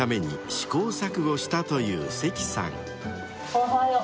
おはよう。